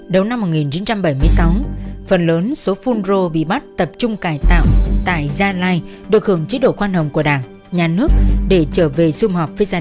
đống năm một nghìn chín trăm bảy mươi sáu phần lớn số phunro bị bắt tập trung cải tạo tại gia lai đặt khưởng chất độ khoan hồng của đảng nhà nước để trở về giam họp với gia đình